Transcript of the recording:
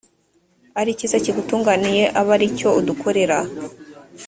ari cyiza kigutunganiye abe ari cyo udukorera